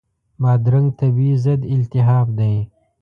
بادرنګ طبیعي ضد التهاب دی.